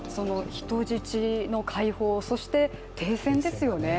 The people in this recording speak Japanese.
人質の解放、そして停戦ですよね。